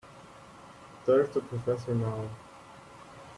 There's the professor now.